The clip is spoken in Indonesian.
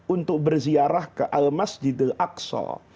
untuk berziarah ke al masjid al aqsa